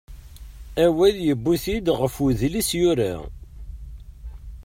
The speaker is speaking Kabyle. Awal yuwi-t-id ɣef udlis yura.